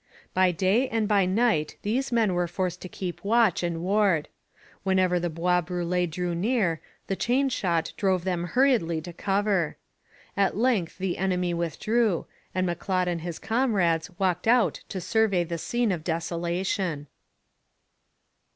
By day and by night these men were forced to keep watch and ward. Whenever the Bois Brûlés drew near, the 'chain shot' drove them hurriedly to cover. At length the enemy withdrew, and M'Leod and his comrades walked out to survey the scene of desolation.